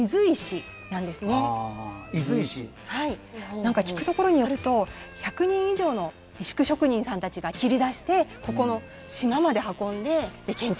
なんか聞くところによると１００人以上の石工職人さんたちが切り出してここの島まで運んで建築していったという事で。